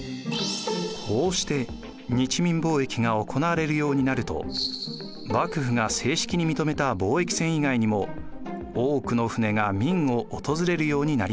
こうして日明貿易が行われるようになると幕府が正式に認めた貿易船以外にも多くの船が明を訪れるようになりました。